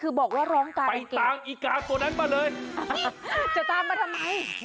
เออมันร้องกาอย่างเดียว